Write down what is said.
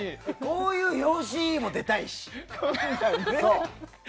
こういう表紙にも出たいし。